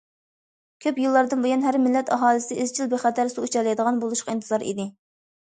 كۆپ يىللاردىن بۇيان، ھەر مىللەت ئاھالىسى ئىزچىل بىخەتەر سۇ ئىچەلەيدىغان بولۇشقا ئىنتىزار ئىدى.